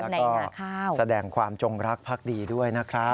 แล้วก็แสดงความจงรักพักดีด้วยนะครับ